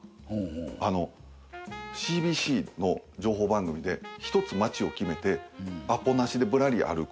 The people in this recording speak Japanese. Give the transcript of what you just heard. あのＣＢＣの情報番組でひとつ街を決めてアポなしでぶらり歩く。